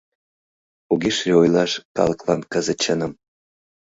Огеш лий ойлаш калыклан кызыт чыным.